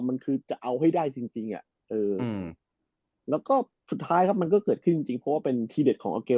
มันคือจะเอาให้ได้จริงแล้วก็สุดท้ายครับมันก็เกิดขึ้นจริงเพราะว่าเป็นทีเด็ดของอาเกล